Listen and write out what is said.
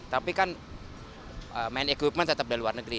tapi kan main equipment tetap dari luar negeri